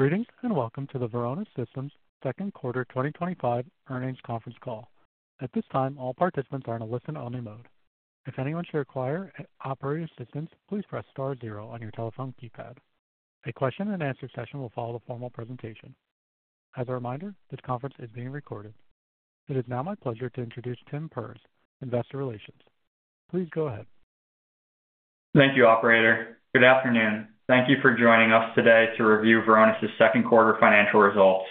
Greetings and welcome to the Varonis Systems second quarter 2025 earnings conference call. At this time, all participants are in a listen-only mode. If anyone should require operating assistance, please press Star zero on your telephone keypad. A question and answer session will follow the formal presentation. As a reminder, this conference is being recorded. It is now my pleasure to introduce Tim Perz, Investor Relations. Please go ahead. Thank you, Operator. Good afternoon. Thank you for joining us today to review Varonis Systems Second Quarter Financial.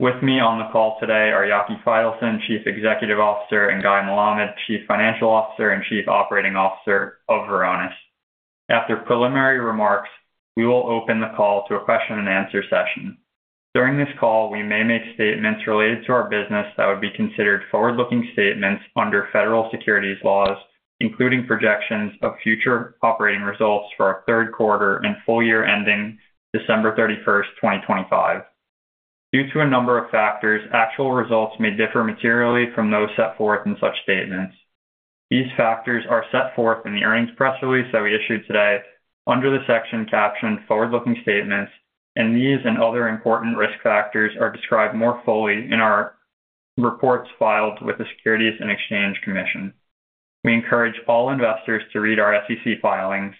With me on the call today are Yaki Faitelson, Chief Executive Officer, and Guy Melamed, Chief Financial Officer and Chief Operating Officer of Varonis. After preliminary remarks, we will open the call to a question and answer session. During this call, we may make statements related to our business that would be considered forward-looking statements under U.S. federal securities laws, including projections of future operating results for our third quarter and full year ending December 31, 2025. Due to a number of factors, actual results may differ materially from those set forth in such statements. These factors are set forth in the earnings press release that we issued today under the section captioned Forward-Looking Statements, and these and other important risk factors are described more fully in our reports filed with the Securities and Exchange Commission. We encourage all investors to read our SEC filings.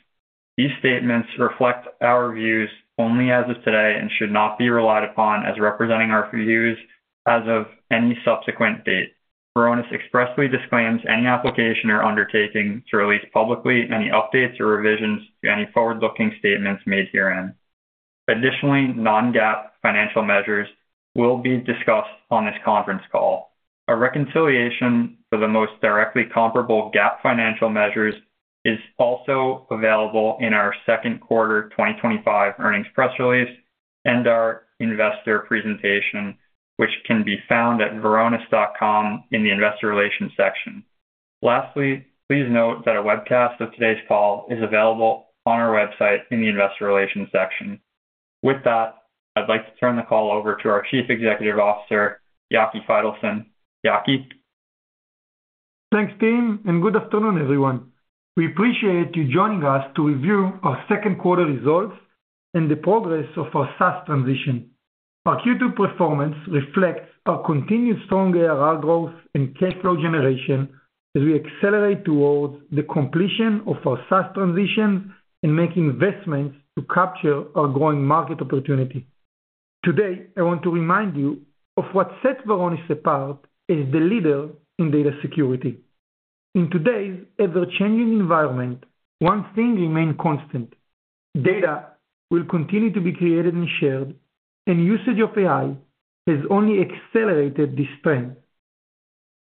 These statements reflect our views only as of today and should not be relied upon as representing our views as of any subsequent date. Varonis expressly disclaims any obligation or undertaking to release publicly any updates or revisions to any forward-looking statements made herein. Additionally, non-GAAP financial measures will be discussed on this conference call. A reconciliation for the most directly comparable GAAP financial measures is also available in our second quarter 2025 earnings press release and our investor presentation, which can be found at varonis.com in the Investor Relations section. Lastly, please note that a webcast of today's call is available on our website in the Investor Relations section. With that, I'd like to turn the call over to our Chief Executive Officer, Yaki Faitelson. Yaki. Thanks, Tim, and good afternoon everyone. We appreciate you joining us to review our second quarter results and the progress of our SaaS transition. Our Q2 performance reflects our continued strong ARR growth and cash flow generation as we accelerate towards the completion of our SaaS transition and make investments to capture our growing market opportunity. Today I want to remind you of what sets Varonis Systems apart as the leader in data security. In today's ever-changing environment, one thing remains constant. Data will continue to be created and shared, and usage of AI has only accelerated this trend.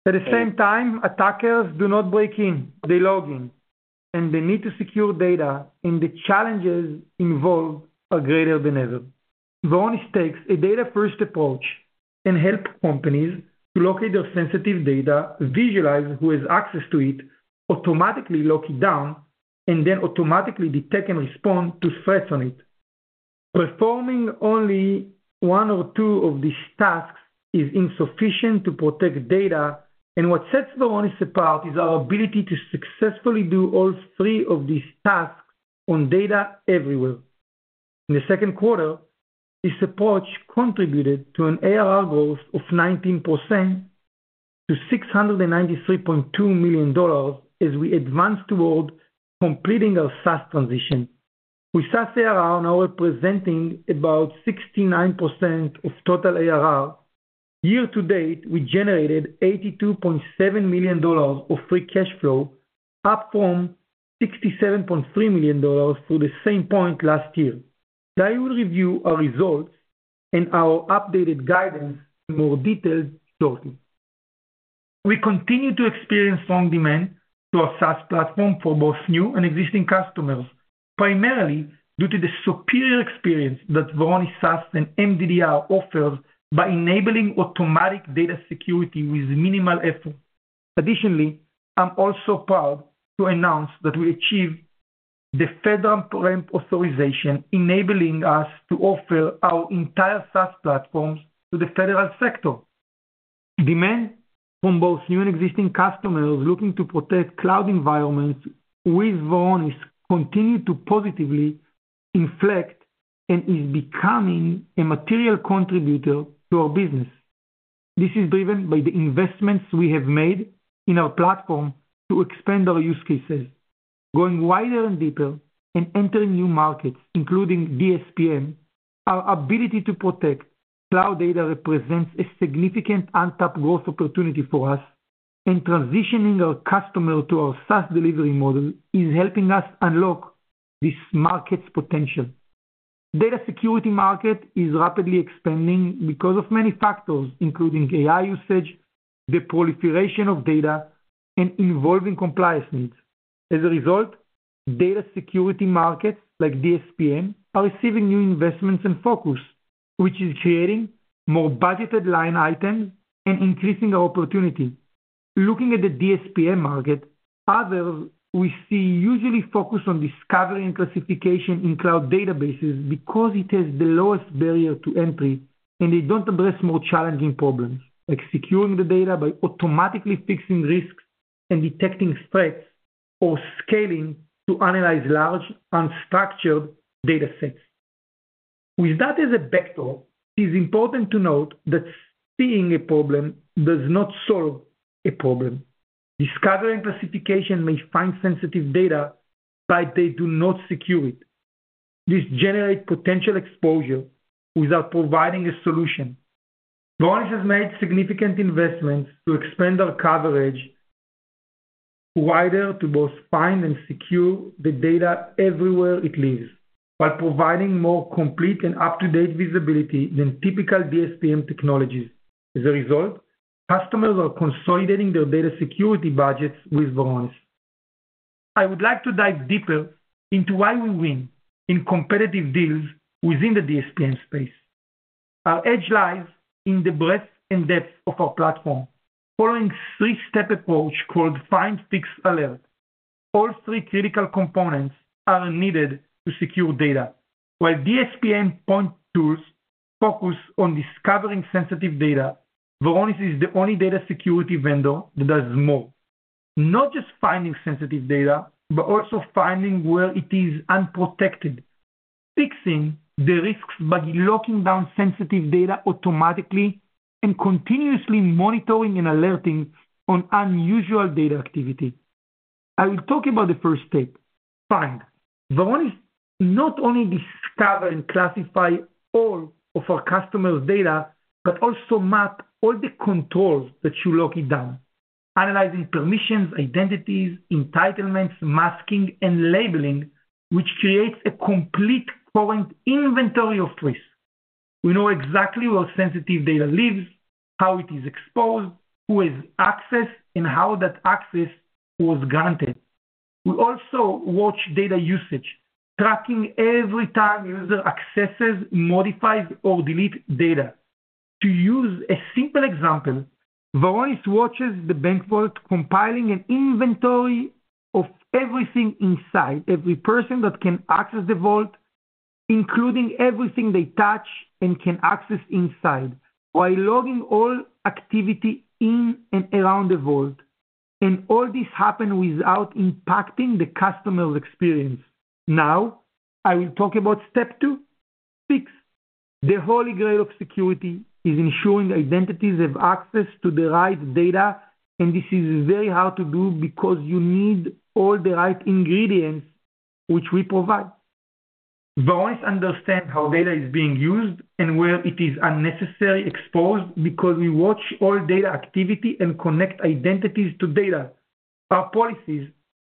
At the same time, attackers do not break in, they log in, and they need to secure data in. The challenges involved are greater than ever. Varonis Systems takes a data-first approach and helps companies to locate their sensitive data, visualize who has access to it, automatically lock it down, and then automatically detect and respond to threats on it. Performing only one or two of these tasks is insufficient to protect data, and what sets Varonis Systems apart is our ability to successfully do all three of these tasks on data everywhere. In the second quarter, this approach contributed to an ARR growth of 19% to $693.2 million as we advance toward completing our SaaS transition. With SaaS ARR now representing about 69% of total ARR year to date, we generated $82.7 million of free cash flow, up from $67.3 million at the same point last year. Guy will review our results and our updated guidance in more detail shortly. We continue to experience strong demand for our SaaS platform from both new and existing customers, primarily due to the superior experience that Varonis Systems SaaS and Managed Data Detection and Response offers by enabling automatic data security with minimal effort. Additionally, I'm also proud to announce that we achieved the FedRAMP authorization, enabling us to offer our entire SaaS platform to the federal sector. Demand from both new and existing customers looking to protect cloud environments with Varonis Systems continues to positively inflect and is becoming a material contributor to our business. This is driven by the investments we have made in our platform to expand our use cases, going wider and deeper and entering new markets including DSPM. Our ability to protect cloud data represents a significant untapped growth opportunity for us, and transitioning our customers to our SaaS delivery model is helping us unlock this market's potential. Data security market is rapidly expanding because of many factors including AI usage, the proliferation of data and evolving compliance needs. As a result, data security markets like DSPM are receiving new investments and focus, which is creating more budgeted line items and increasing our opportunity. Looking at the DSPM market, others we see usually focus on discovery and classification in cloud databases because it has the lowest barrier to entry and they don't address more challenging problems like securing the data by automatically fixing risks and detecting threats or scaling to analyze large unstructured data sets. With that as a backdrop, it is important to note that seeing a problem does not solve a problem. Discovering classification may find sensitive data, but they do not secure it. This generates potential exposure without providing a solution. Varonis has made significant investments to expand our coverage wider to both find and secure the data everywhere it lives while providing more complete and up to date visibility than typical DSPM technologies. As a result, customers are consolidating their data security budgets with Varonis. I would like to dive deeper into why we win in competitive deals within the DSPM space. Our edge lies in the breadth and depth of our platform following three step approach called Find, Fix, Alert. All three critical components are needed to secure data while DSPM point tools focus on discovering sensitive data. Varonis is the only data security vendor that does more, not just finding sensitive data but also finding where it is unprotected, fixing the risks by locking down sensitive data automatically and continuously monitoring and alerting on unusual data activity. I will talk about the first step. Find. Varonis not only discovers and classifies all of our customers' data but also maps all the controls that you lock it down, analyzing permissions, identities, entitlements, masking and labeling, which creates a complete current inventory of trace. We know exactly where sensitive data lives, how it is exposed, who has access and how that access was granted. We also watch data usage, tracking every time a user accesses, modifies or deletes data. To use a simple example, Varonis watches the bank vault, compiling an inventory of everything inside, every person that can access the vault, including everything they touch and can access inside, while logging all activity in and around the vault, and all this happens without impacting the customer experience. Now I will talk about step two six. The holy grail of security is ensuring identities have access to the right data, and this is very hard to do because you need all the right ingredients, which we provide. Varonis understands how data is being used and where it is unnecessarily exposed. Because we watch all data activity and connect identities to data, our policies,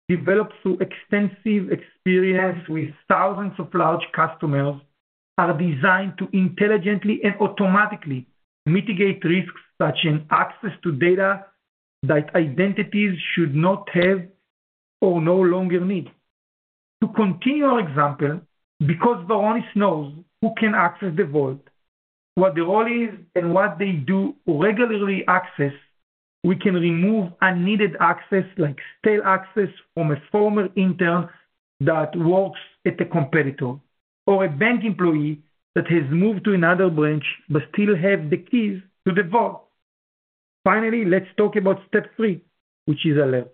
developed through extensive experience with thousands of large customers, are designed to intelligently and automatically mitigate risks such as access to data that identities should not have or no longer need to. Continuing our example, because Varonis knows who can access the vault, what the role is, and what they do regularly, we can remove unneeded access, like stale access from a former intern that works at the competitor or a bank employee that has moved to another branch but still has the keys to the vault. Finally, let's talk about step three, which is alert.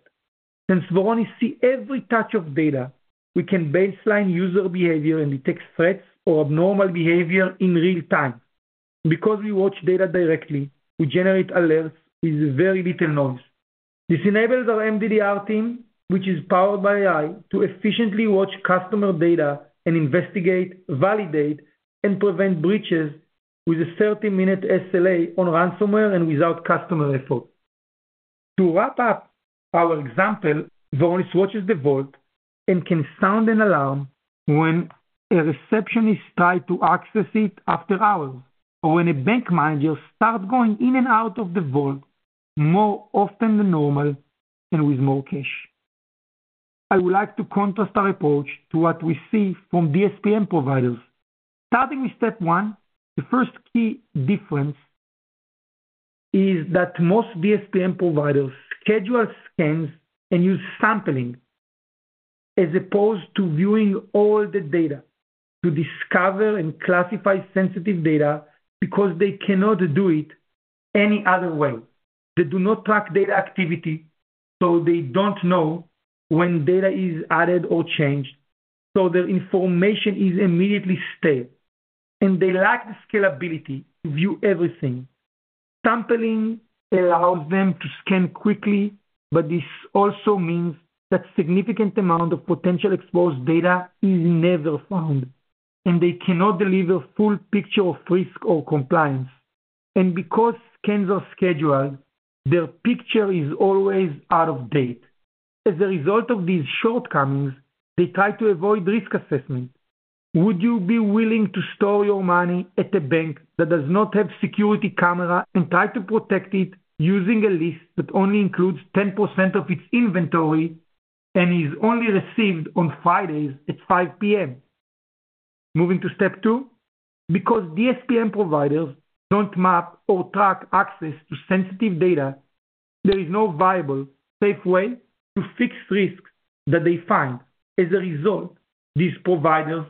Since Varonis sees every touch of data, we can baseline user behavior and detect threats or abnormal behavior in real time. Because we watch data directly, we generate alerts with very little noise. This enables our Managed Data Detection and Response (MDDR) team, which is powered by AI, to efficiently watch customer data and investigate, validate, and prevent breaches, with a 30 minute SLA on ransomware and without customer effort. To wrap up our example, Varonis watches the vault and can sound an alarm when a receptionist tries to access it after hours or when a bank manager starts going in and out of the vault more often than normal and with more cash. I would like to contrast our approach to what we see from DSPM providers, starting with step one. The first key difference is that most DSPM providers schedule scans and use sampling as opposed to viewing all the data to discover and classify sensitive data. Because they cannot do it any other way, they do not track data activity, so they don't know when data is added or changed, so their information is immediately stale and they lack the scalability to view everything. Sampling allows them to scan quickly, but this also means that a significant amount of potential exposed data is never found, and they cannot deliver a full picture of risk or compliance. Because scans are scheduled, their picture is always out of date. As a result of these shortcomings, they try to avoid risk assessment. Would you be willing to store your money at a bank that does not have a security camera and try to protect it using a list that only includes 10% of its inventory and is only received on Fridays at 5:00 P.M.? Moving to step two, because DSPM providers don't map or track access to sensitive data, there is no viable safe way to fix risks that they find. As a result, these providers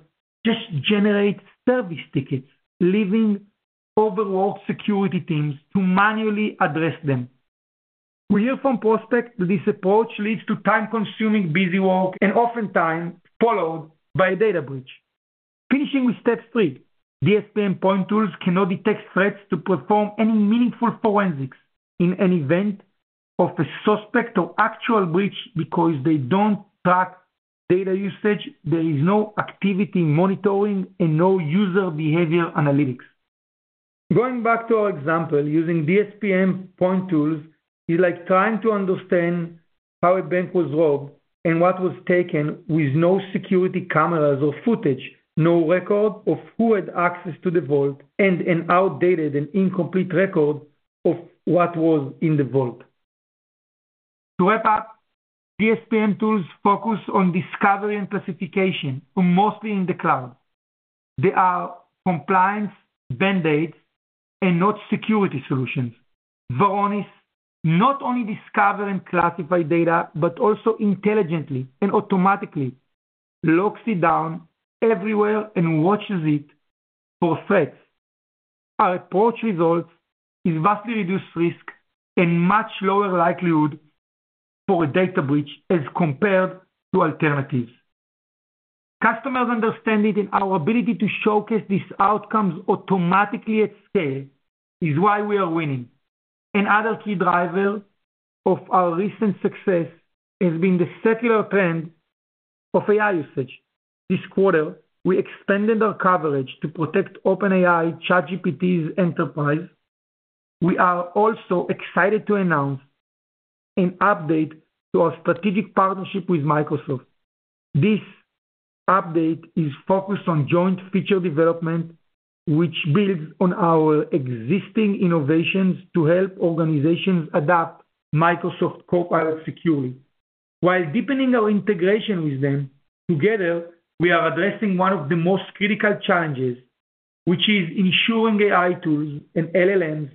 just generate service tickets, leaving overall security teams to manually address them. We hear from prospects that this approach leads to time-consuming, busy work and is oftentimes followed by a data breach. Finishing with step three, DSP endpoint tools cannot detect threats to perform any meaningful forensics in an event of a suspect or actual breach because they don't track data usage. There is no activity monitoring and no User Behavior Analytics. Going back to our example, using DSPM point tools is like trying to understand how a bank was robbed and what was taken, with no security cameras or footage, no record of who had access to the vault, and an outdated and incomplete record of what was in the vault. To wrap up, DSPM tools focus on discovery and classification, mostly in the cloud. They are compliance band-aids and not security solutions. Varonis Systems not only discovers and classifies data, but also intelligently and automatically locks it down everywhere and watches it for threats. Our approach results in vastly reduced risk and a much lower likelihood for a data breach as compared to alternatives. Customers understand it, and our ability to showcase these outcomes automatically at scale is why we are winning. Another key driver of our recent success has been the secular trend of AI usage. This quarter, we extended our coverage to protect OpenAI ChatGPT's enterprise. We are also excited to announce an update to our strategic partnership with Microsoft. This update is focused on joint feature development, which builds on our existing innovations to help organizations adopt Microsoft Copilot securely while deepening our integration with them. Together, we are addressing one of the most critical challenges, which is ensuring AI tools and LLMs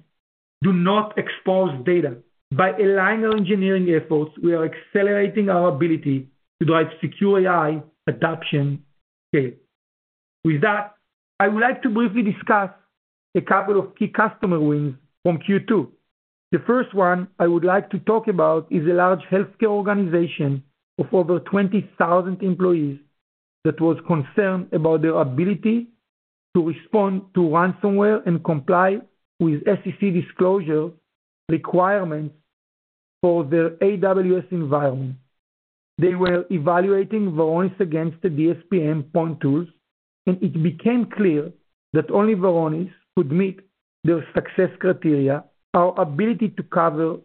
do not expose data. By aligning our engineering efforts, we are accelerating our ability to drive secure AI adoption. With that, I would like to briefly discuss a couple of key customer wins from Q2. The first one I would like to talk about is a large healthcare organization of over 20,000 employees that was concerned about their ability to respond to ransomware and comply with SEC disclosure requirements for their AWS environment. They were evaluating Varonis against the DSPM point tools and it became clear that only Varonis would meet their success criteria. Our ability to cover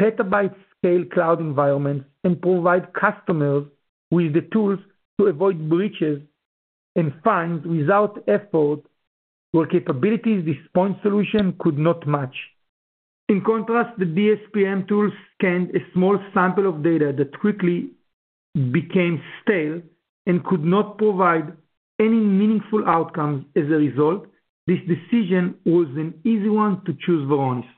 petabyte-scale cloud environments and provide customers with the tools to avoid breaches and fines without effort were capabilities this point solution could not match. In contrast, the DSPM tool scanned a small sample of data that quickly became stale and could not provide any meaningful outcomes. As a result, this decision was an easy one to choose. Varonis.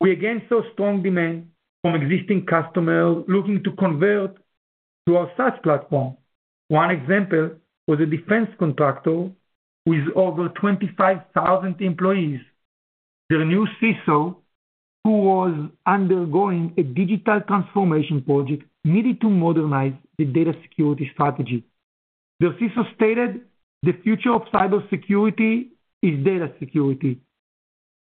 We again saw strong demand from existing customers looking to convert to our SaaS platform. One example was a defense contractor with over 25,000 employees. The new CISO who was undergoing a digital transformation project needed to modernize the data security strategy. The CISO stated the future of cybersecurity is data security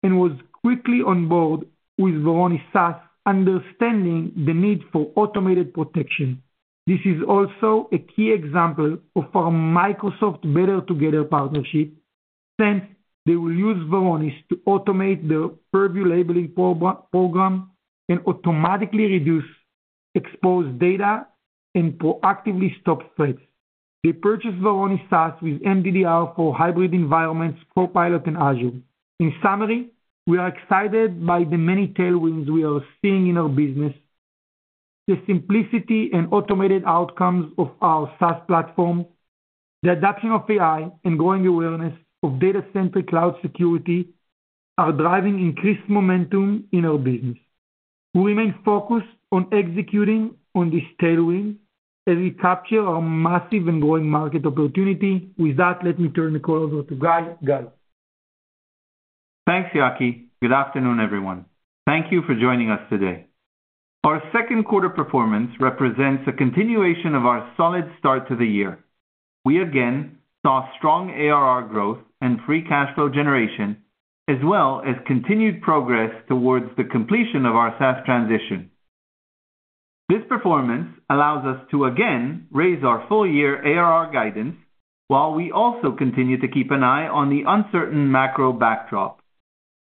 and was quickly on board with Varonis SaaS understanding the need for automated protection. This is also a key example of our Microsoft Better Together partnership since they will use Varonis to automate the Purview labeling program and automatically reduce exposed data and proactively stop threats. They purchased Varonis SaaS with Managed Data Detection and Response for hybrid environments, Copilot, and Azure. In summary, we are excited by the many tailwinds we are seeing in our business. The simplicity and automated outcomes of our SaaS platform, the adoption of AI, and growing awareness of data-centric cloud security are driving increased momentum in our business. We remain focused on executing on this tailwind as we capture our massive and growing market opportunity. With that, let me turn the call over to Guy. Thanks, Yaki. Good afternoon, everyone. Thank you for joining us today. Our second quarter performance represents a continuation of our solid start to the year. We again saw strong ARR growth and free cash flow generation, as well as continued progress towards the completion of our SaaS transition. This performance allows us to again raise our full year ARR guidance. While we also continue to keep an eye on the uncertain macro backdrop,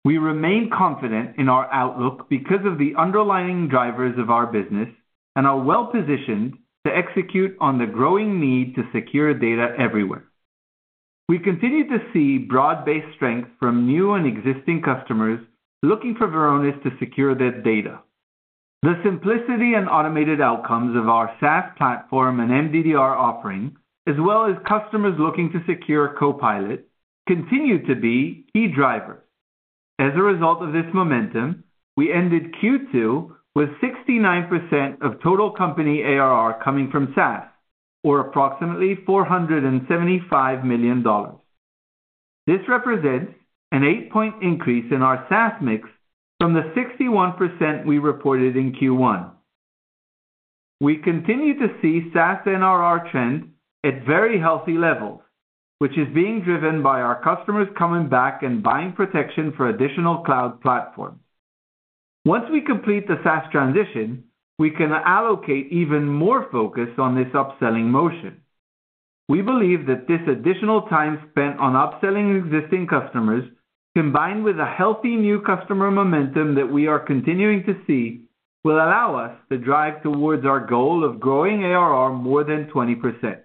we remain confident in our outlook because of the underlying drivers of our business and are well positioned to execute on the growing need to secure data everywhere. We continue to see broad-based strength from new and existing customers looking for Varonis to secure their data. The simplicity and automated outcomes of our SaaS platform and MDDR offering as well as customers looking to secure Copilot continue to be key drivers. As a result of this momentum, we ended Q2 with 69% of total company ARR coming from SaaS or approximately $475 million. This represents an 8 point increase in our SaaS mix from the 61% we reported in Q1. We continue to see SaaS NRR trend at very healthy levels, which is being driven by our customers coming back and buying protection for additional cloud platforms. Once we complete the SaaS transition, we can allocate even more focus on this upselling motion. We believe that this additional time spent on upselling existing customers combined with a healthy new customer momentum that we are continuing to see will allow us to drive towards our goal of growing ARR more than 20%.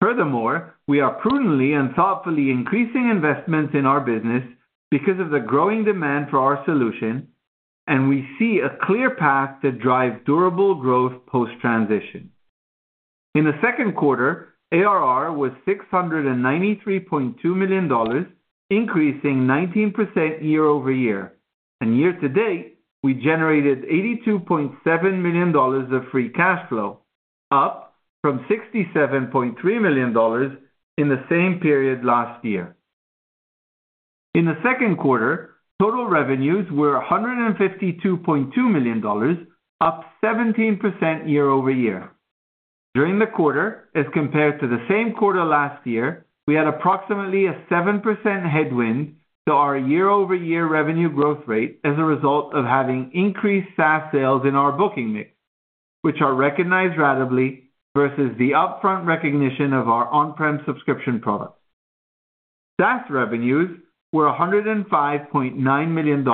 Furthermore, we are prudently and thoughtfully increasing investments in our business because of the growing demand for our solution, and we see a clear path to drive durable growth post transition. In the second quarter, ARR was $693.2 million, increasing 19% year over year. Year to date, we generated $82.7 million of free cash flow, up from $67.3 million in the same period last year. In the second quarter, total revenues were $152.2 million, up 17% year over year during the quarter as compared to the same quarter last year. We had approximately a 7% headwind to our year over year revenue growth rate as a result of having increased SaaS sales in our booking mix, which are recognized ratably versus the upfront recognition of our on-premises subscription products. SaaS revenues were $105.9 million,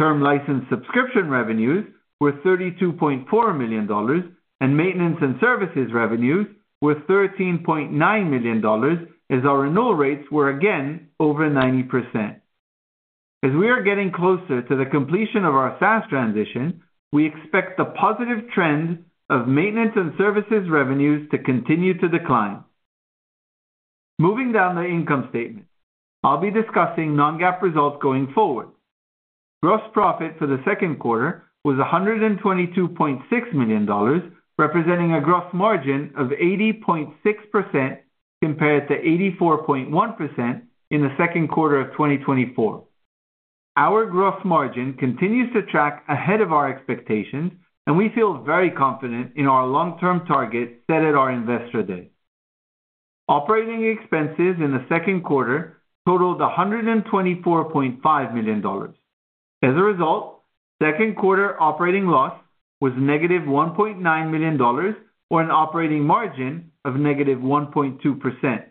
term license subscription revenues were $32.4 million, and maintenance and services revenues were $13.9 million as our renewal rates were again over 90%. As we are getting closer to the completion of our SaaS transition, we expect the positive trend of maintenance and services revenues to continue to decline. Moving down the income statement, I'll be discussing non-GAAP results going forward. Gross profit for the second quarter was $122.6 million, representing a gross margin of 80.6% compared to 84.1% in the second quarter of 2024. Our gross margin continues to track ahead of our expectations, and we feel very confident in our long term target set. At our investor day, operating expenses in the second quarter totaled $124.5 million. As a result, second quarter operating loss was negative $1.9 million or an operating margin of negative 1.2%.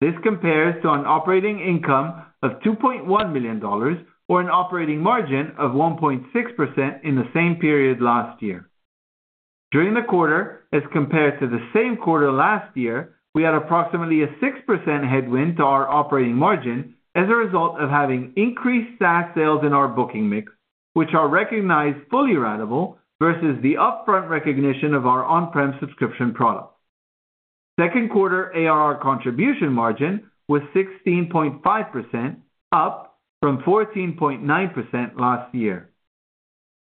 This compares to an operating income of $2.1 million or an operating margin of 1.6% in the same period last year. During the quarter as compared to the same quarter last year, we had approximately a 6% headwind to our operating margin as a result of having increased SaaS sales in our booking mix, which are recognized fully ratable versus the upfront recognition of our on-premises subscription products. Second quarter ARR contribution margin was 16.5%, up from 14.9% last year.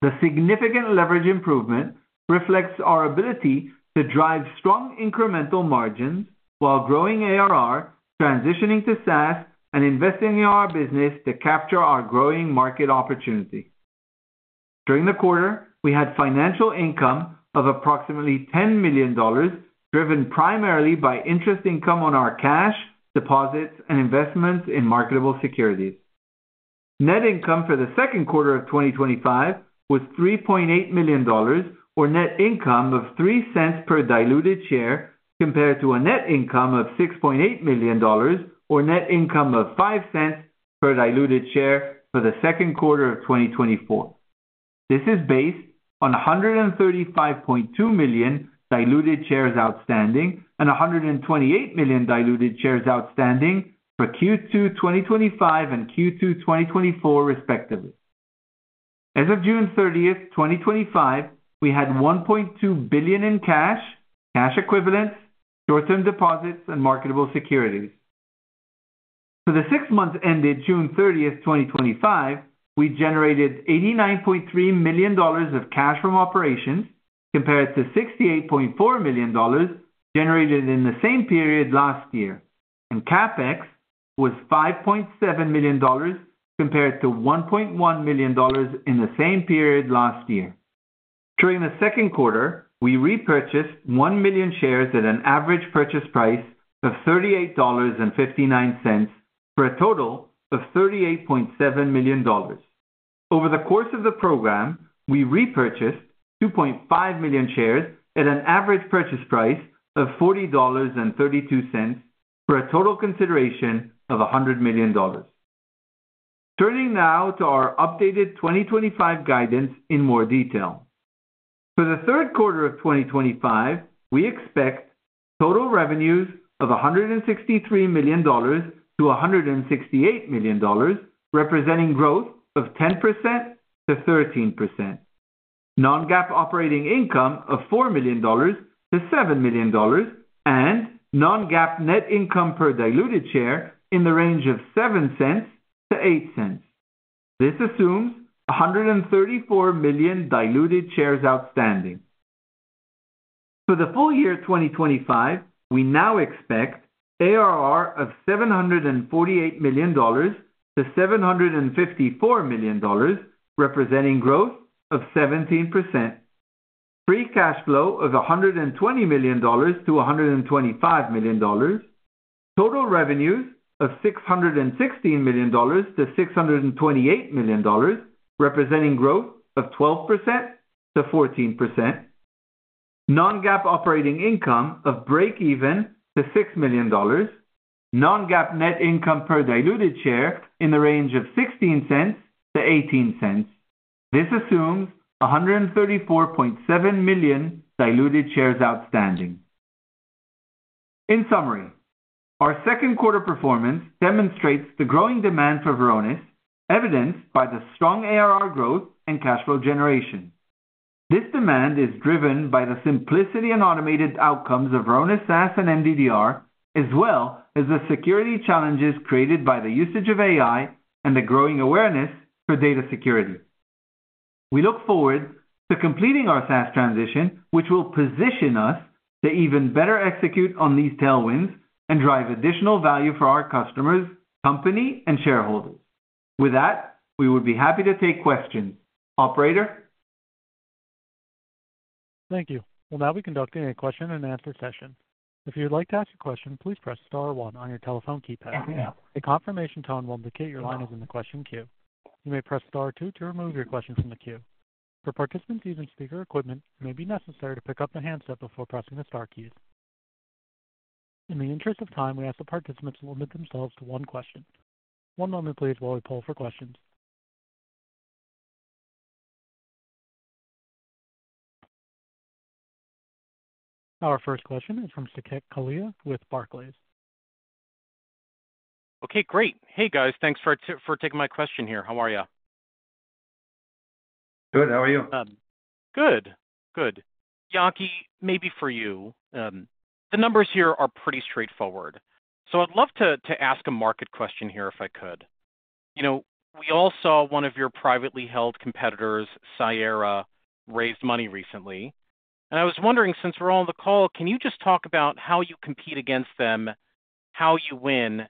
The significant leverage improvement reflects our ability to drive strong incremental margins while growing ARR, transitioning to SaaS, and investing in our business to capture our growing market opportunity. During the quarter, we had financial income of approximately $10 million, driven primarily by interest income on our cash deposits and investments in marketable securities. Net income for the second quarter of 2025 was $3.8 million, or net income of $0.03 per diluted share, compared to a net income of $6.8 million, or net income of $0.05 per diluted share for the second quarter of 2024. This is based on 135.2 million diluted shares outstanding and 128 million diluted shares outstanding for Q2 2025 and Q2 2024, respectively. As of June 30, 2025, we had $1.2 billion in cash, cash equivalents, short-term deposits, and marketable securities. For the six months ended June 30, 2025, we generated $89.3 million of cash from operations compared to $68.4 million generated in the same period last year, and CapEx was $5.7 million compared to $1.1 million in the same period last year. During the second quarter, we repurchased 1 million shares at an average purchase price of $38.59 for a total of $38.7 million. Over the course of the program, we repurchased 2.5 million shares at an average purchase price of $40.32 for a total consideration of $100 million. Turning now to our updated 2025 guidance in more detail, for the third quarter of 2025, we expect total revenues of $163 million to $168 million, representing growth of 10%-13%, non-GAAP operating income of $4 million-$7 million, and non-GAAP net income per diluted share in the range of $0.07 to $0.08. This assumes 134 million diluted shares outstanding for the full year 2025. We now expect ARR of $748 million to $754 million, representing growth of 17%, free cash flow of $120 million-$125 million, total revenues of $616 million-$628 million, representing growth of 12%-14%, non-GAAP operating income of break even to $6 million, and non-GAAP net income per diluted share in the range of $0.16-$0.18. This assumes 134.7 million diluted shares outstanding. In summary, our second quarter performance demonstrates the growing demand for Varonis, evidenced by the strong ARR growth and cash flow generation. This demand is driven by the simplicity and automated outcomes of RHONA, SaaS, and MDDR, as well as the security challenges created by the usage of AI and the growing awareness for data security. We look forward to completing our SaaS transition, which will position us to even better execute on these tailwinds and drive additional value for our customers, company, and shareholders. With that, we would be happy to take questions. Operator. Thank you. We'll now be conducting a question and answer session. If you would like to ask a question, please press star one on your telephone keypad. A confirmation tone will indicate your line is in the question queue. You may press star two to remove your question from the queue. For participants using speaker equipment, it may be necessary to pick up the handset before pressing the star keys. In the interest of time, we ask the participants to limit themselves to one question. One moment please, while we poll for questions. Our first question is from Saket Kalia with Barclays. Okay, great. Hey guys, thanks for taking my question here. How are you? Good. How are you? Good. Yaki, maybe for you. The numbers here are pretty straightforward, so I'd love to ask a market question here if I could. You know, we all saw one of your privately held competitors, Cyera, raised money recently, and I was wondering, since we're all on the call, can you just talk about how you compete against them? How you win,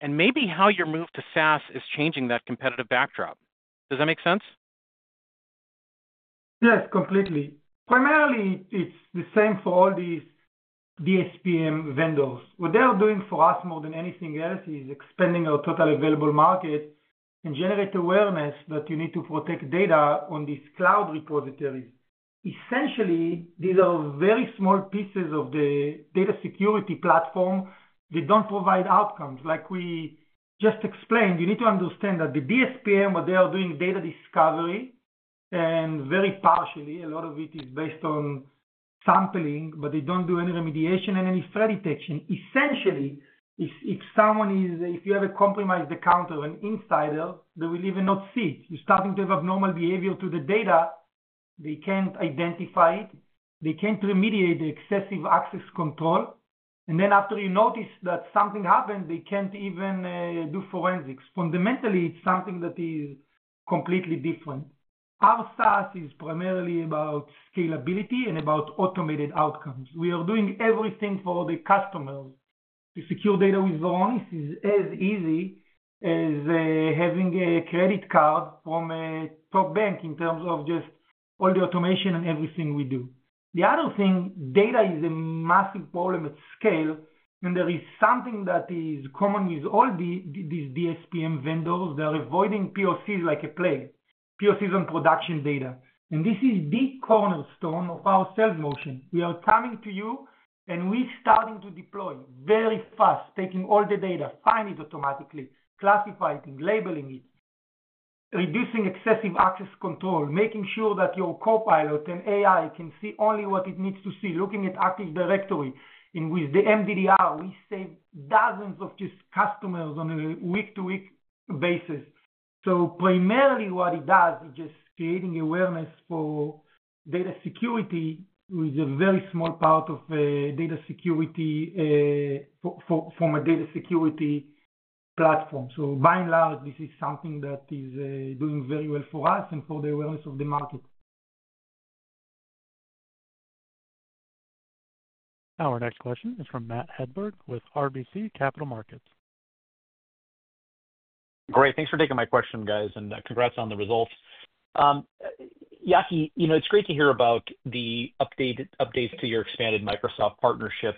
and maybe how your move to SaaS is changing that competitive backdrop? Does that make sense? Yes, completely. Primarily, it's the same for all these DSPM vendors. What they are doing for us more than anything else is expanding our total available market and generate awareness that you need to protect data on these cloud repositories. Essentially, these are very small pieces of the Data Security Platform. They don't provide outcomes like we just explained. You need to understand that the DSPM, where they are doing data discovery and very partially, a lot of it is based on sampling, but they don't do any remediation and any threat detection. Essentially, if you have a compromise, the counter, an insider, they will even not see it. You're starting to have abnormal behavior to the data. They can't identify it, they can't remediate the excessive access control. After you notice that something happened, they can't even do forensics. Fundamentally, it's something that is completely different. SaaS is primarily about scalability and about automated outcomes. We are doing everything for the customers. To secure data with Varonis is as easy as having a credit card from a top bank in terms of just all the automation and everything we do. The other thing, data is a massive problem at scale and there is something that is common with all these DSPM vendors. They are avoiding POCs like a plague. POCs on production data, and this is the cornerstone of our sales motion. We are coming to you and we starting to deploy very fast, taking all the data, find it automatically, classifying, labeling it, reducing excessive access control, making sure that your Copilot and AI can see only what it needs to see. Looking at Active Directory in with the MDDR, we save dozens of just customers on a week to week basis. Primarily, what it does is just creating awareness for data security with a very small part of data security from a Data Security Platform. By and large, this is something that is doing very well for us and for the awareness of the market. Our next question is from Matt Hedberg with RBC Capital Markets. Great, thanks for taking my question, guys. Congratulations on the results. Yaki, you know it's great to hear about the updates to your expanded Microsoft partnership.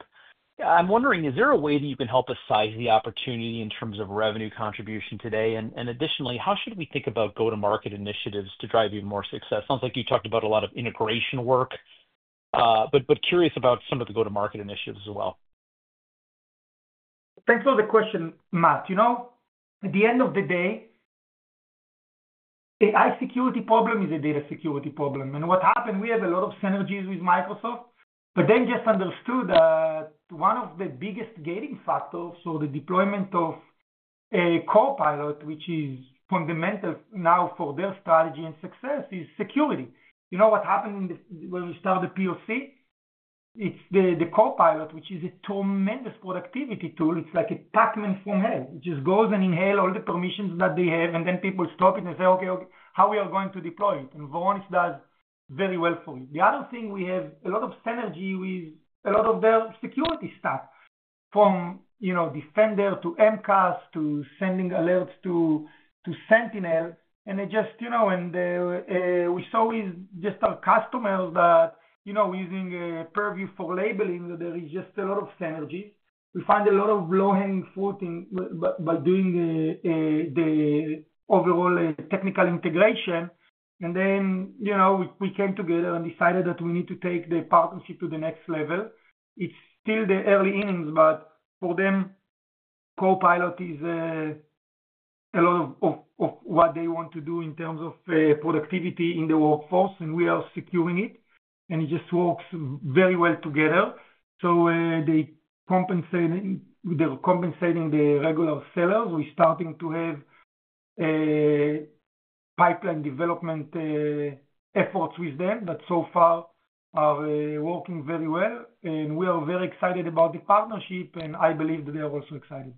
I'm wondering, is there a way that you can help us size the opportunity in terms of revenue contribution today, and additionally, how should we think about go-to-market initiatives to drive even more success? Sounds like you talked about a lot of integration, but curious about some of the go-to-market initiatives as well. Thanks for the question, Matt. You know, at the end of the day, AI security problem is a data security problem. We have a lot of synergies with Microsoft, but then just understood that one of the biggest gating factors for the deployment of Copilot, which is fundamental now for their strategy and success, is security. You know what happened when we start the POC, it's the Copilot, which is a tremendous productivity tool. It's like a Pacman from hell. It just goes and inhales all the permissions that they have, and then people stop it and say, okay, how are we going to deploy it. Varonis does very well for it. The other thing, we have a lot of synergy with a lot of their security stuff from, you know, Defender to MCAS to sending alerts to Sentinel, and we saw with just our customers that, you know, using Purview for labeling, that there is just a lot of synergies. We find a lot of low hanging fruit by doing the overall technical integration. We came together and decided that we need to take the partnership to the next level. It's still the early innings, but for them Copilot is a lot of what they want to do in terms of productivity in the workforce, and we are securing it and it just works very well together. They are compensating the regular sellers. We are starting to have a pipeline development effort with them that so far is working very well, and we are very excited about the partnership and I believe that they are also excited.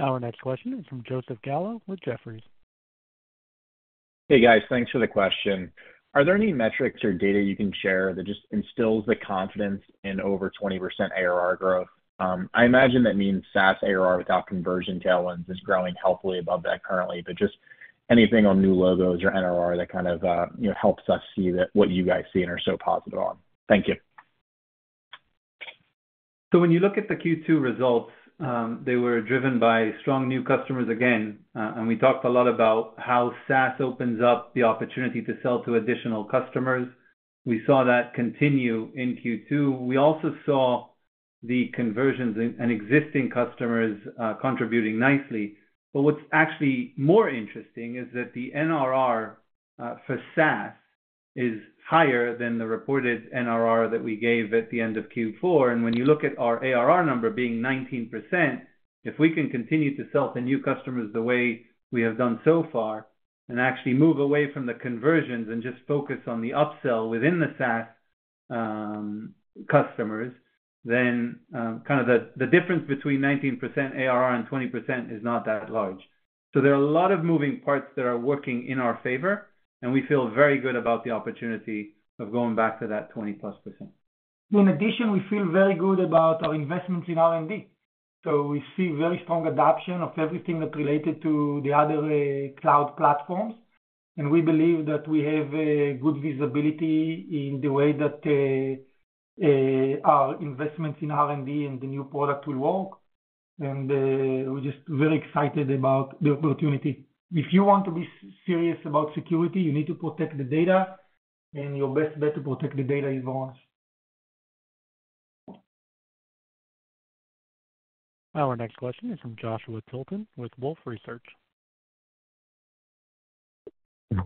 Our next question is from Joseph Gallo with Jefferies. Hey guys, thanks for the question. Are there any metrics or data you can share that just instills the confidence in over 20% ARR growth? I imagine that means SaaS ARR without conversion tailwinds is growing healthily above that currently. Anything on new logos or NRR that kind of helps us see that is what you guys see and are so positive on. Thank you. When you look at the Q2 results, they were driven by strong new customers again. We talked a lot about how SaaS opens up the opportunity to sell to additional customers. We saw that continue in Q2. We also saw the conversions and existing customers contributing nicely. What's actually more interesting is that the NRR for SaaS is higher than the reported NRR that we gave at the end of Q4. When you look at our ARR number being 19%, if we can continue to sell to new customers the way we have done so far and actually move away from the conversions and just focus on the upsell within the SaaS customers, the difference between 19% ARR and 20% is not that large. There are a lot of moving parts that are working in our favor, and we feel very good about the opportunity of going back to that 20%+. In addition, we feel very good about our investments in R&D. We see very strong adoption of everything that related to the other cloud platforms, and we believe that we have good visibility in the way that our investments in R&D and the new product will work. We're just very excited about the opportunity. If you want to be serious about security, you need to protect the data, and your best bet to protect the data you want. Our next question is from Joshua Tilton with Wolfe Research.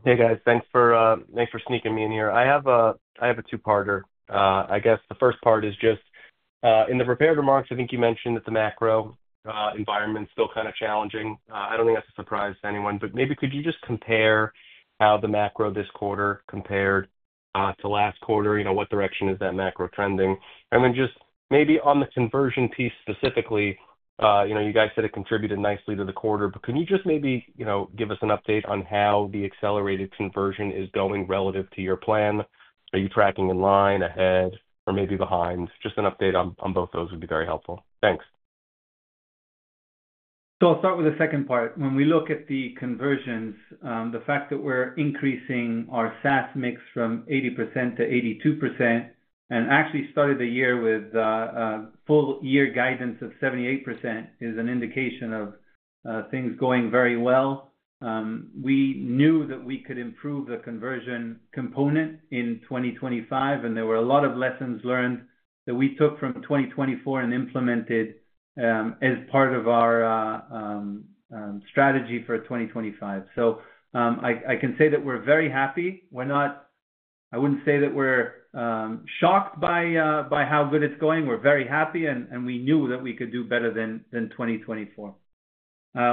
Hey guys, thanks for sneaking me in here. I have a two-parter. The first part is just in the prepared remarks. I think you mentioned that the macro environment's still kind of challenging. I don't think that's a surprise to anyone. Could you just compare how the macro this quarter compared to last quarter? What direction is that macro trending? Maybe on the conversion piece specifically, you said it contributed nicely to the quarter. Could you give us an update on how the accelerated conversion is going relative to your plan? Are you tracking in line, ahead, or maybe behind? An update on both would be very helpful, thanks. I'll start with the second part. When we look at the conversions, the fact that we're increasing our SaaS mix from 80% to 82% and actually started the year with full year guidance of 78% is an indication of things going very well. We knew that we could improve the conversion component in 2025 and there were a lot of lessons learned that we took from 2024 and implemented as part of our strategy for 2025. I can say that we're very happy. I wouldn't say that we're shocked by how good it's going. We're very happy and we knew that we could do better than 2024.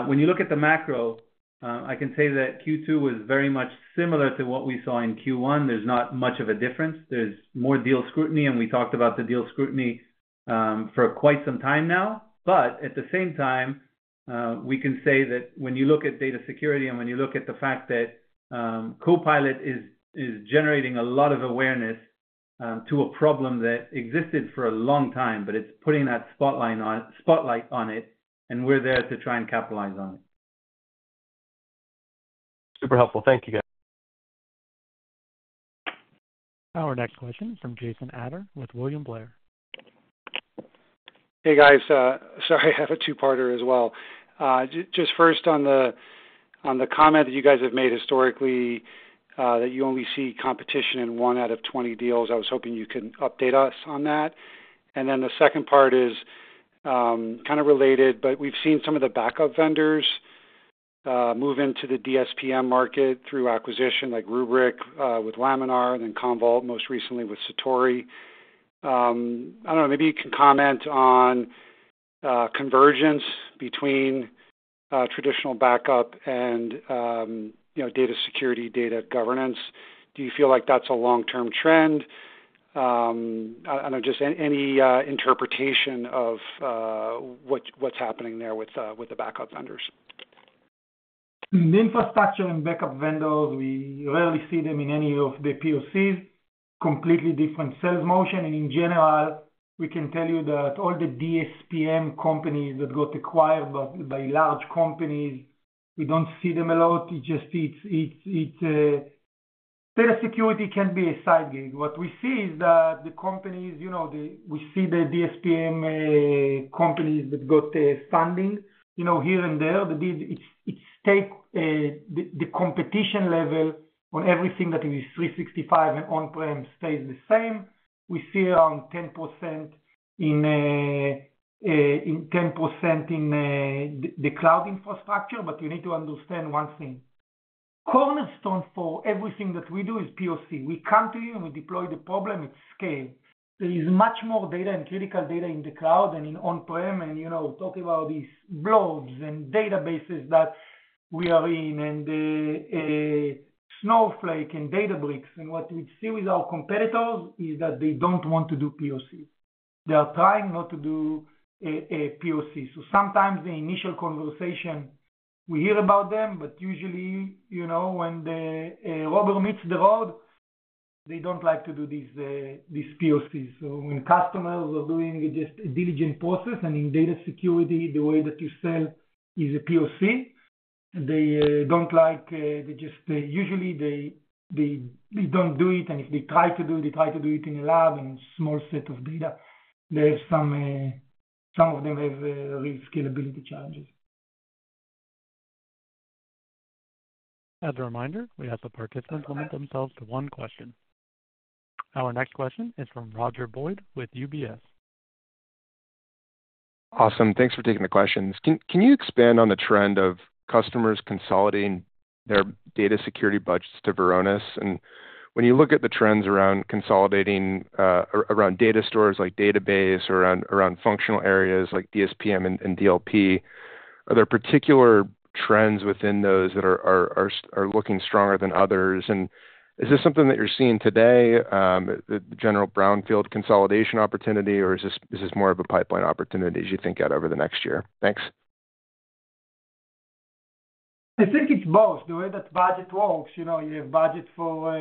When you look at the macro, I can say that Q2 was very much similar to what we saw in Q1. There's not much of a difference. There's more deal scrutiny and we talked about the deal scrutiny for quite some time now. At the same time, we can say that when you look at data security and when you look at the fact that Copilot is generating a lot of awareness to a problem that existed for a long time, it's putting that spotlight on it and we're there to try and capitalize on it. Super helpful, thank you guys. Our next question is from Jason Ader with William Blair. Hey guys, sorry, I have a two-parter as well. First, on the comment that you guys have made historically that you only see competition in 1 out of 20 deals, I was hoping you can update us on that. The second part is kind of related, but we've seen some of the backup vendors move into the DSPM market through acquisition, like Rubrik with Laminar, then Commvault most recently with Satori. Maybe you can comment on convergence between traditional backup and, you know, data security, data governance. Do you feel like that's a long-term trend? Just any interpretation of what's happening there with the backup vendors. The infrastructure and backup vendors we rarely see them in any of the PoCs. Completely different sales motion. In general, we can tell you that all the DSPM companies that got acquired by large companies, we don't see them a lot. It just data security can be a side gig. What we see is that the companies that we see, the DSPM companies that got funding, you know, here and there, it's take the competition level on everything that is 365 and on-prem stays the same. We see around 10% in the cloud infrastructure. You need to understand one thing. Cornerstone for everything that we do is PoC. We come to you and we deploy the problem at scale. There is much more data and critical data in the cloud and in on-prem and, you know, talking about these blobs and databases that we are in and Snowflake and Databricks, and what we see with our competitors is that they don't want to do PoC. They are trying not to do a PoC. Sometimes the initial conversation we hear about them, but usually, you know, when the rubber meets the road, they don't like to do these PoCs. When customers are doing just a diligent process and in data security the way that you sell is a PoC they don't like. They just usually they don't do it, and if they try to do it, they try to do it in a lab and small set of data. Some of them have real scalability challenges. As a reminder, we ask the participants to limit themselves to one question. Our next question is from Roger Boyd with UBS. Awesome, thanks for taking the questions. Can you expand on the trend of customers consolidating their data security budgets to Varonis? When you look at the trends around consolidating around data stores like database, around functional areas like DSPM and DLP, are there particular trends within those that are looking stronger than others? Is this something that you're seeing today, the general brownfield consolidation opportunity, or is this more of a pipeline opportunity as you think out over the next year? Thanks. I think it's both. The way that budget works, you have budget for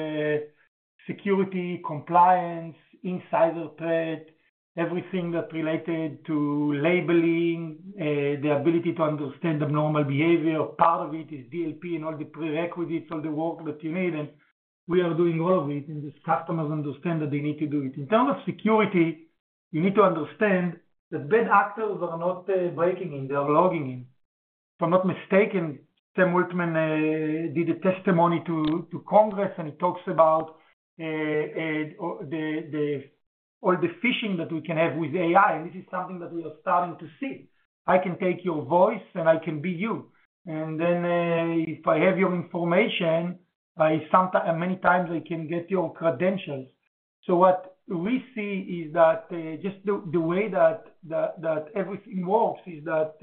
security compliance, insider threat, everything that related to labeling, the ability to understand abnormal behavior. Part of it is DLP and all the prerequisites, all the work that you need and we are doing all of it. These customers understand that they need to do it in terms of security. You need to understand that bad actors are not breaking in, they are logging in. If I'm not mistaken, Sam Altman did a testimony to Congress and he talks about all the phishing that we can have with AI and this is something that we are starting to see. I can take your voice and I can be you and then if I have your information many times I can get your credentials. What we see is that just the way that everything works is that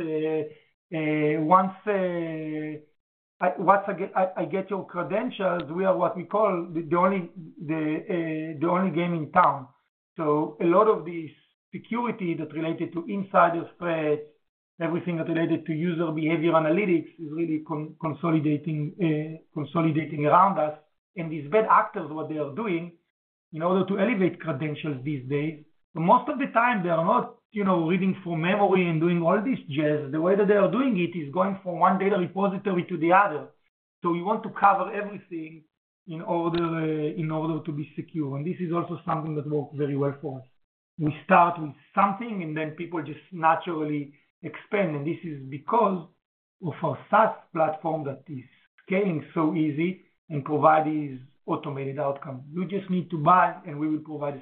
once I get your credentials, we are what we call the only game in town. A lot of these security that related to insider threats, everything that related to user behavior analytics is really consolidating around us. These bad actors, what they are doing in order to elevate credentials these days, most of the time they are not reading from memory and doing all this jazz. The way that they are doing it is going from one data repository to the other. You want to cover everything in order to be secure. This is also something that works very well for us. We start with something and then people just naturally expand. This is because of our SaaS platform that is scaling so easy and provide this automated outcome. You just need to buy and we will provide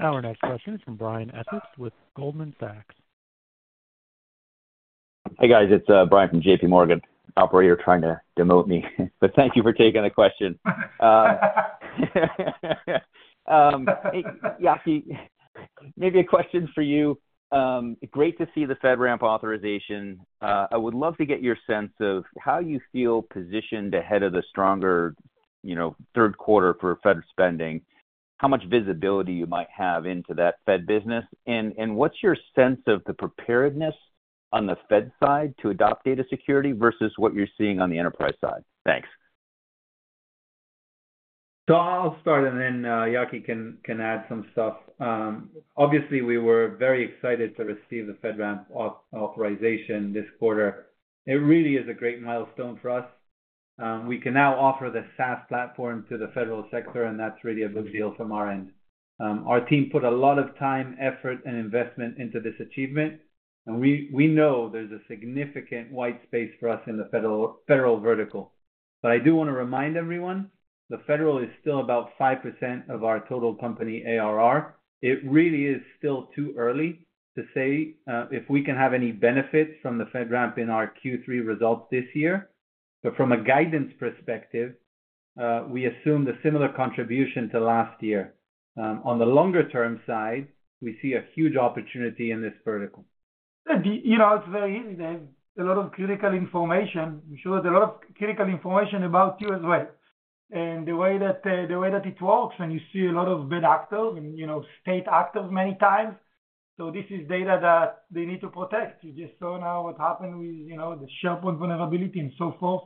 security. Our next question is from Brian Essex with Goldman Sachs. Hey guys, it's Brian from JPMorgan. Operator trying to demote me, but thank you for taking the question. Yaki, maybe a question for you. Great to see the FedRAMP authorization. I would love to get your sense of how you feel positioned ahead of the stronger, you know, third quarter for Fed spending, how much visibility you might have into that Fed business, and what's your sense of the preparedness on the Fed side to adopt data security versus what you're seeing on the enterprise side. Thanks. I'll start and then Yaki can add. Obviously we were very excited to receive the FedRAMP authorization this quarter. It really is a great milestone for us. We can now offer the SaaS platform to the federal sector, and that's really a big deal from our end. Our team put a lot of time, effort, and investment into this achievement, and we know there's a significant white space for us in the federal vertical. I do want to remind everyone the federal is still about 5% of our total company ARR. It really is still too early to say if we can have any benefits from the FedRAMP in our Q3 results this year. From a guidance perspective, we assumed a similar contribution to last year. On the longer term side, we see a huge opportunity in this vertical. You know, it's very easy. They have a lot of critical information. I'm sure there's a lot of critical information about you as well and the way that it works. You see a lot of bad actors and, you know, state active many times. This is data that they need to protect. You just saw now what happened with the SharePoint vulnerability and so forth.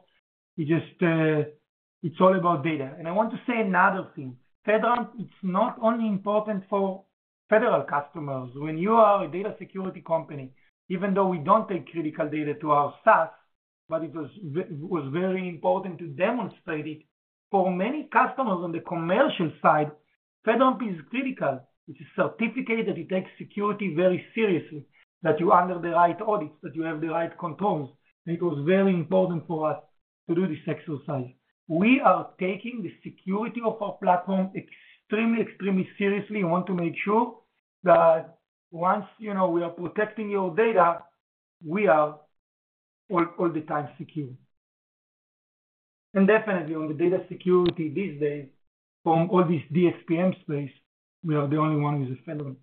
It's all about data. I want to say another thing. FedRAMP it's not only important for federal customers when you are a data security company. Even though we don't take critical data to our SaaS, it was very important to demonstrate it for many customers. On the commercial side, FedRAMP is critical. It's a certificate that takes security very seriously, that you are under the right audits, that you have the right controls. It was very important for us to do this exercise. We are taking the security of our platform extremely, extremely seriously. We want to make sure that once you know, we are protecting your data. We are all the time secure and definitely on the data security these days from all this DSPM space. We are the only one who is a Varonis.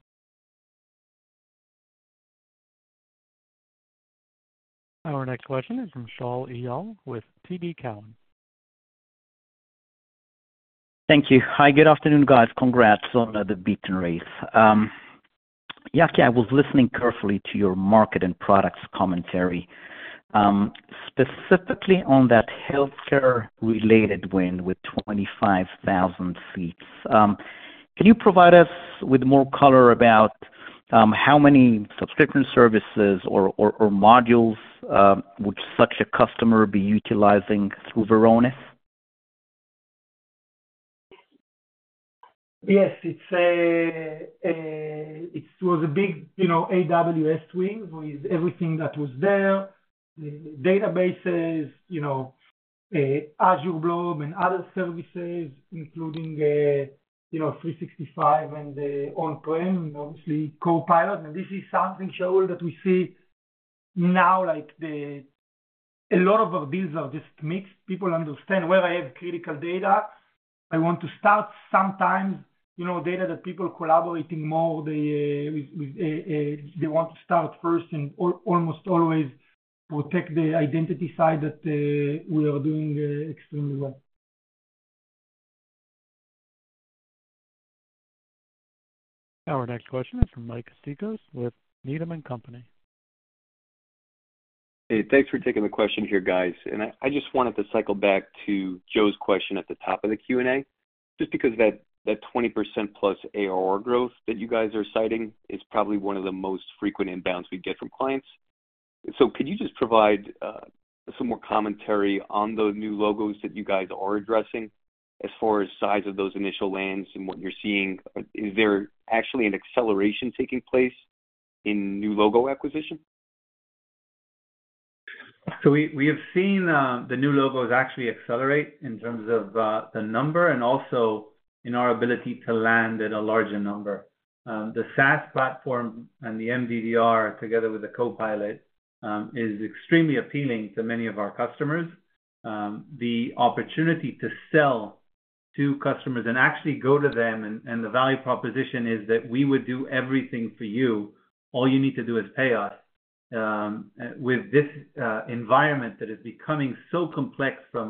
Our next question is from Shaul Eyal with TD Cowen. Thank you. Hi, good afternoon, guys. Congrats on the beat and raise. Yaki, I was listening carefully to your market and products commentary, specifically on that healthcare-related win with 25,000 seats. Can you provide us with more color about how many subscription services or modules would such a customer be utilizing through Varonis? Yes, it was a big, you know, AWS wing with everything that was there. Databases, you know, Azure Blob and other services including 365 and on-prem, obviously Copilot. This is something, Shaul, that we see now. A lot of our deals are just mixed. People understand where I have critical data. I want to start sometimes data that people collaborating more, they want to start first and almost always protect the identity side that we are doing extremely well. Our next question is from Mike Sikos with Needham and Company. Hey, thanks for taking the question here, guys. I just wanted to cycle back to Joe's question at the top of the Q&A just because that 20%+ ARR growth that you guys are citing is probably one of the most frequent inbounds we get from clients. Could you just provide some more commentary on the new logos that you guys are addressing as far as size of those initial lands and what you're seeing? Is there actually an acceleration taking place in new logo acquisition? We have seen the new logos actually accelerate in terms of the number and also in our ability to land at a larger number. The SaaS platform and the Managed Data Detection and Response together with Copilot is extremely appealing to many of our customers. The opportunity to sell to customers and actually go to them, and the value proposition is that we would do everything for you. All you need to do is pay us with this environment that is becoming so complex from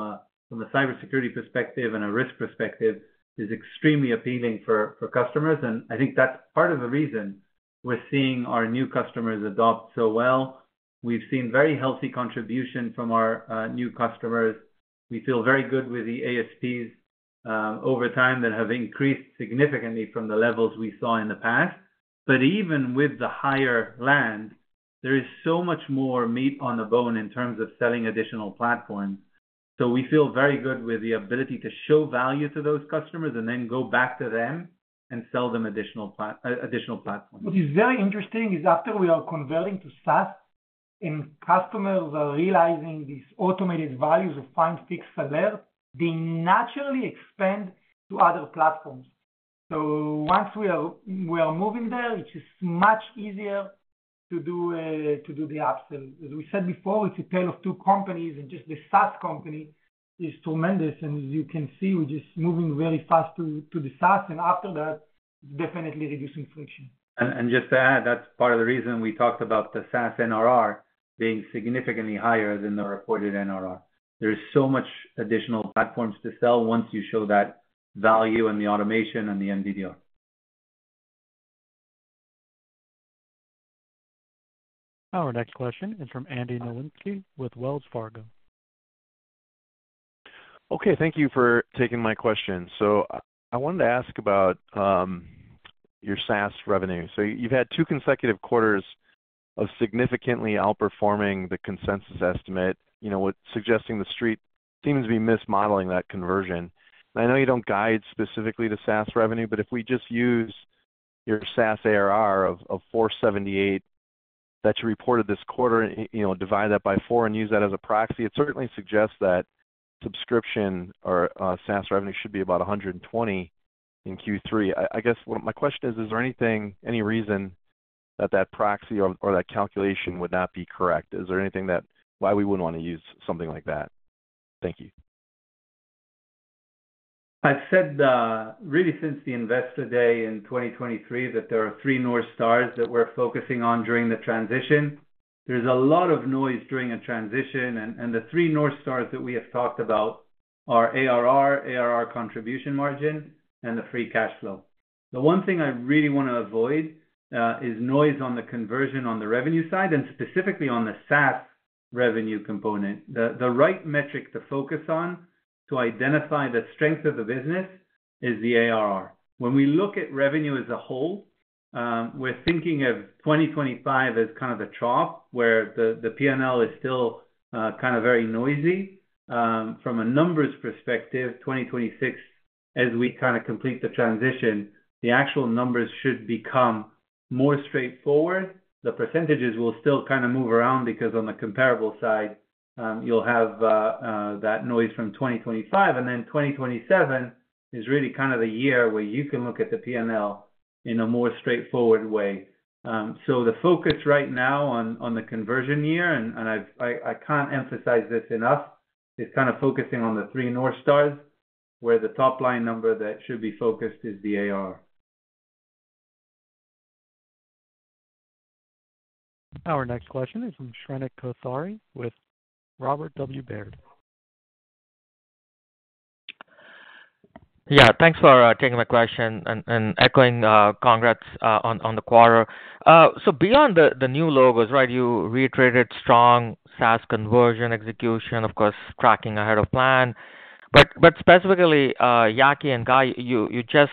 the cybersecurity perspective and a risk perspective is extremely appealing for customers. I think that's part of the reason we're seeing our new customers adopt so well. We've seen very healthy contribution from our new customers. We feel very good with the ASPs over time that have increased significantly from the levels we saw in the past. Even with the higher land, there is so much more meat on the bone in terms of selling additional platforms. We feel very good with the ability to show value to those customers and then go back to them and sell them additional platforms. What is very interesting is after we are converting to SaaS and customers are realizing these automated values of Find, Fix, Alert, they naturally expand to other platforms. Once we are moving there, it's just much easier to do the apps. As we said before, it's a tale of two companies and just the SaaS company is tremendous. As you can see, we're just moving very fast to the SaaS and after that, definitely reducing friction. That's part of the reason we talked about the SaaS NRR being significantly higher than the reported NRR. There's so much additional platforms to sell once you show that value and the automation and the MDDR. Our next question is from Andy Nowinski with Wells Fargo. Okay, thank you for taking my question. I wanted to ask about your SaaS revenue. You've had two consecutive quarters of significantly outperforming the consensus estimate, suggesting the street seems to be mismodeling that conversion. I know you don't guide specifically to the SaaS revenue, but if we just use your SaaS ARR of $478 million that you reported this quarter, divide that by four and use that as a proxy, it certainly suggests that subscription or SaaS revenue should be about $120 million in Q3. My question is, is there anything, any reason that that proxy or that calculation would not be correct? Is there anything that would be why we wouldn't want to use something like that? Thank you. I said really since the Investor Day in 2023 that there are three North Stars that we're focusing on during the transition. There's a lot of noise during a transition and the three north stars that we have talked about our ARR contribution margin and the free cash flow. The one thing I really want to avoid is noise on the conversion. On the revenue side, and specifically on the SaaS revenue component, the right metric to focus on to identify the strength of the business is the ARR. When we look at revenue as a whole, we're thinking of 2025 as kind of a trough where the P&L is still kind of very noisy from a numbers perspective. 2026, as we kind of complete the transition, the actual numbers should become more straightforward. The percentages will still kind of move around because on the comparable side you'll have that noise from 2025, and then 2027 is really kind of the year where you can look at the P&L in a more straightforward way. The focus right now on the conversion year, and I can't emphasize this enough, is kind of focusing on the three north stars where the top line number that should be focused is the ARR. Our next question is from Shrenik Kothari with Robert W. Baird. Yeah, thanks for taking my question and echoing congrats on the quarter. Beyond the new logos, right, you reiterated strong SaaS conversion execution, of course tracking ahead of plan. Specifically, Yaki and Guy, you just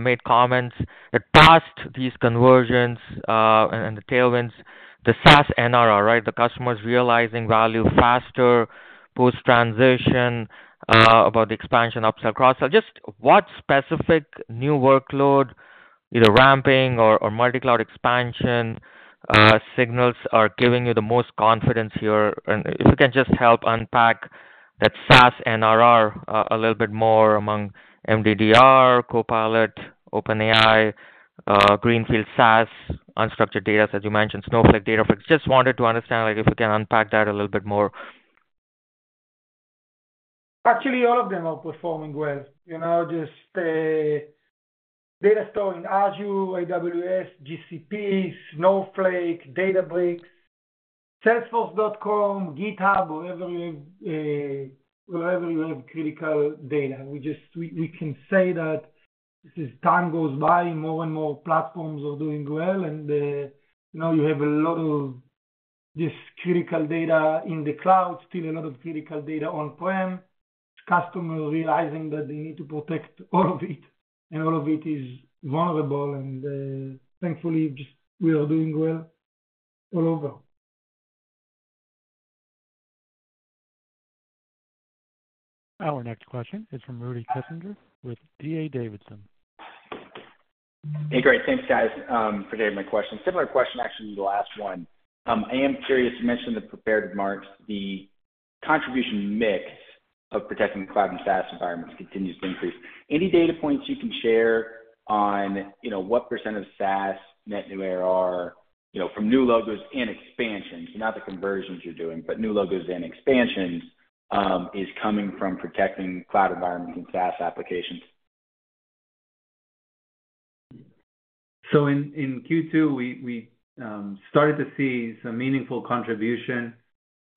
made comments. It passed these conversions and the tailwinds, the SaaS NRR, the customers realizing value faster post transition, about the expansion, upsell, cross-sell. What specific new workload, either ramping or multi-cloud expansion signals, are giving you the most confidence here? If you can just help unpack that SaaS NRR a little bit more among MDDR, Copilot, OpenAI, greenfield SaaS, unstructured data, as you mentioned Snowflake data. Just wanted to understand if we can unpack that a little bit more. Actually, all of them are performing well. You know, just data storing Azure, AWS, GCP, Snowflake, Databricks, Salesforce, GitHub, wherever you have critical data. We can say that as time goes by, more and more platforms are doing well, and you know you have a lot of this critical data in the cloud, still a lot of critical data on prem, customer realizing that they need to protect all of it and all of it is vulnerable, and thankfully just we are doing well all over. Our next question is from Rudy Kessinger with D.A. Davidson. Hey great. Thanks guys for taking my question. Similar question actually to the last one. I am curious, you mentioned the prepared remarks. The contribution mix of protecting cloud and SaaS environments continues to increase. Any data points you can share on what percent of SaaS net new ARR from new logos and expansions. Not the conversions you're doing, but new logos and expansions is coming from protecting cloud environments and SaaS applications. In Q2 we started to see some meaningful contribution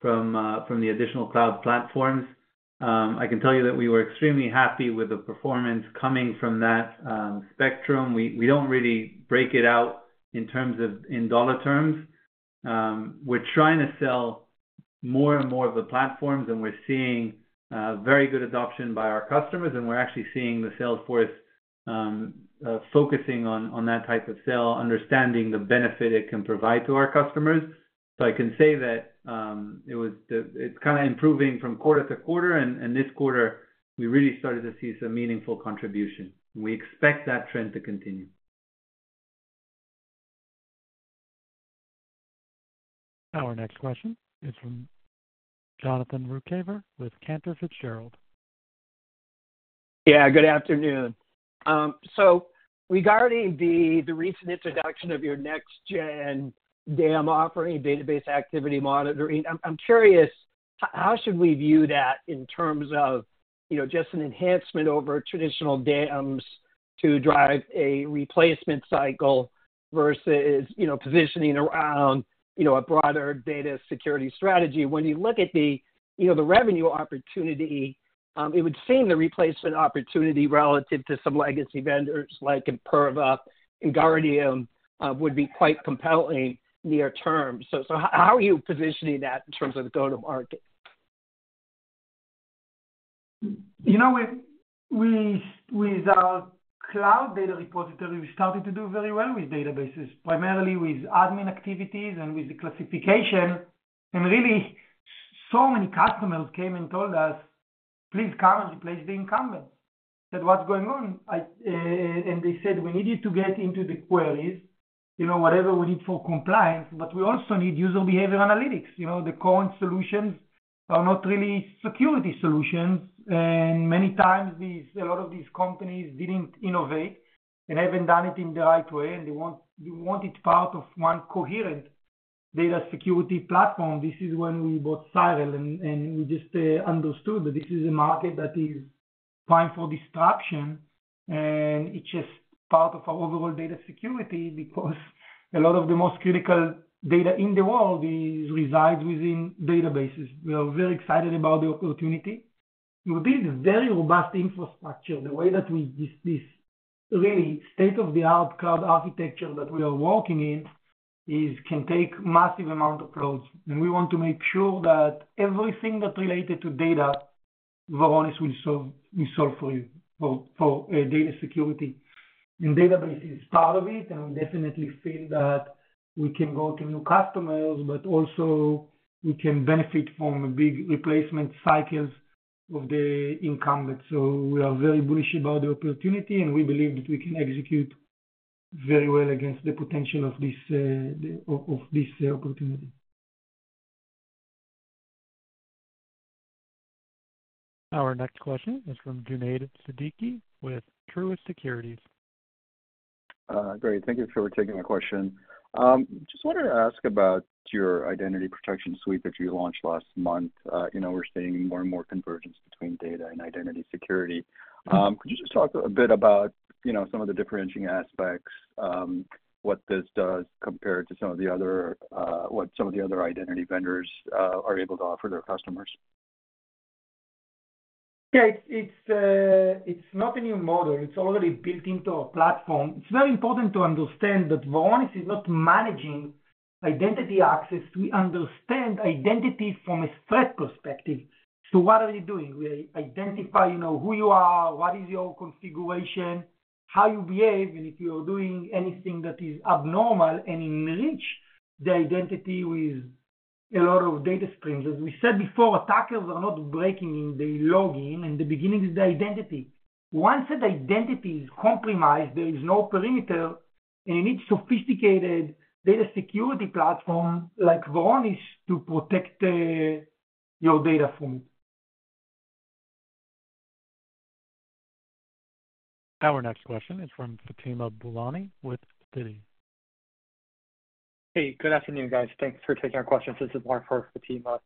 from the additional cloud platforms. I can tell you that we were extremely happy with the performance coming from that spectrum. We don't really break it out in dollar terms. We're trying to sell more and more of the platforms and we're seeing very good adoption by our customers, and we're actually seeing the Salesforce focusing on that type of sale, understanding the benefit it can provide to our customers. I can say that it's kind of improving from quarter to quarter, and this quarter we really started to see some meaningful contribution. We expect that trend to continue. Our next question is from Jonathan Ruykhaver with Cantor Fitzgerald. Yeah, good afternoon. Regarding the recent introduction of your next gen DAM offering, database activity monitoring, I'm curious how should we view that in terms of just an enhancement over traditional DAMs to drive a replacement cycle versus positioning around a broader data security strategy? When you look at the revenue opportunity, it would seem the replacement opportunity relative to some legacy vendors like Imperva and Guardium would be quite compelling near term. How are you positioning that in terms of the go to market? You know cloud data repository? We started to do very well with databases, primarily with admin activities and with the classification, and really so many customers came and told us please come and replace the incumbents, said what's going on? They said we needed to get into the queries, you know, whatever we need for compliance, but we also need user behavior analytics. You know the current solutions are not really security solutions, and many times these, a lot of these companies didn't innovate and haven't done it in the right way, and they want it part of one coherent data security platform. This is when we bought Satori, and we just understood that this is a market that is prime for disruption, and it's just part of our overall data security. Because a lot of the most critical data in the world resides within databases, we are very excited about the opportunity. We build a very robust infrastructure. The way that we, this really state-of-the-art cloud architecture that we are working in, can take massive amount of loads, and we want to make sure that everything that related to data Varonis will solve for you for data security, and database is part of it. We definitely feel that we can go to new customers, but also we can benefit from big replacement cycles of the incumbent. We are very bullish about the opportunity, and we believe that we can execute very well against the potential of this opportunity. Our next question is from Junaid Siddiqui with Truist Securities. Great, thank you for taking my question. Just wanted to ask about your identity protection suite that you launched last month. You know we're seeing more and more convergence between data and identity security. Could you just talk a bit about, you know, some of the differentiating aspects. What does this do compared to what some of the other identity vendors are able to offer their customers? Yeah, it's not a new model. It's already built into our platform. It's very important to understand that Varonis is not managing identity access. We understand identity from a threat perspective. What are you doing? We identify, you know, who you are, what is your configuration, how you behave, and if you are doing anything that is abnormal, and enrich the identity with a lot of data streams. As we said before, attackers are not breaking in. The login and the beginning is the identity. Once the identity is compromised, there is no perimeter, and you need a sophisticated Data Security Platform like Varonis to protect your data from it. Our next question is from Fatima Boolani with Citi. Hey, good afternoon, guys. Thanks for taking our questions. This is Mark for Fatima.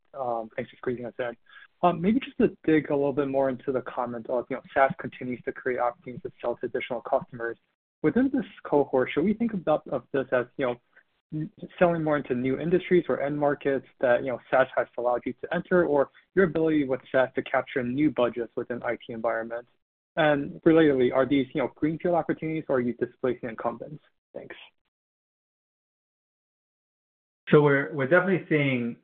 Thanks for squeezing us in. Maybe just to dig a little bit more into the comment. SaaS continues to create opportunities to sell to additional customers within this cohort, should we think about this as selling more into new industries or end markets that SaaS has allowed you to enter or your ability with SaaS to capture new budgets within IT environments? Are these greenfield opportunities or are you displacing incumbents? Thanks. We're definitely seeing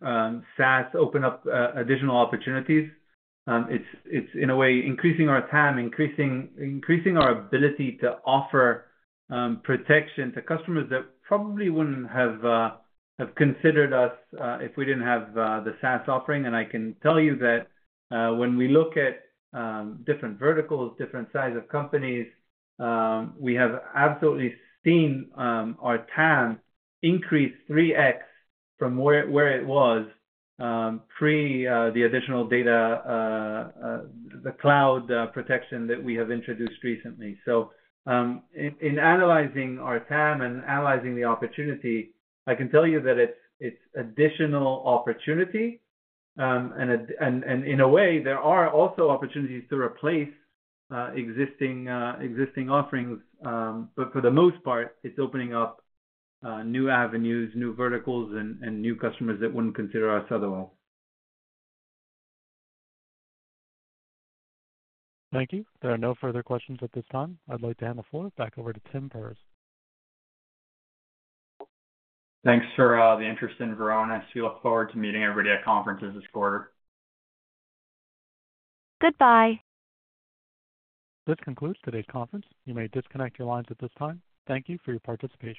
SaaS open up additional opportunities. It's in a way increasing our TAM, increasing our ability to offer protection to customers that probably wouldn't have considered us if we didn't have the SaaS offering. I can tell you that when we look at different verticals, different size of companies, we have absolutely seen our TAM increase 3x from where it was pre the additional data, the cloud protection that we have introduced recently. In analyzing our TAM and analyzing the opportunity, I can tell you that it's additional opportunity. There are also opportunities to replace existing offerings. For the most part, it's opening up new avenues, new verticals, and new customers that wouldn't consider us otherwise. Thank you. There are no further questions at this time. I'd like to hand the floor back over to Tim Perz. Thanks for the interest in Varonis. We look forward to meeting everybody at conferences this quarter. Goodbye. This concludes today's conference. You may disconnect your lines at this time. Thank you for your participation.